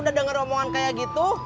udah dengar omongan kayak gitu